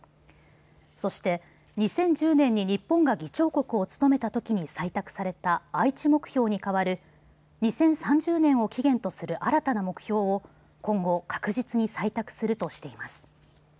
そして２０１０年に日本が議長国を務めたときに採択された愛知目標に代わる、２０３０年を期限とする新たな目標を今後確実に採択するとしています。